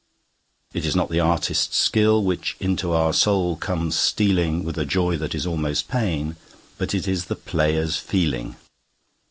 It is not the artist's skill which into our soul comes stealing With a joy that is almost pain, but it is the player's feeling.